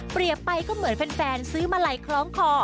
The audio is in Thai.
ไปก็เหมือนแฟนซื้อมาลัยคล้องคอ